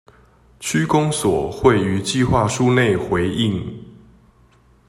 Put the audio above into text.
區公所會於計畫書內回應